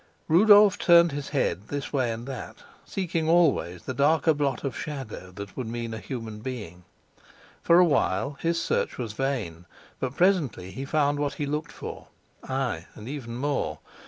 Rudolf turned his head this way and that, seeking always the darker blot of shadow that would mean a human being. For a while his search was vain, but presently he found what he looked for ay, and even more.